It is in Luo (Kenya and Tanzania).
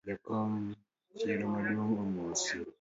Jakom chiro maduong’ omosi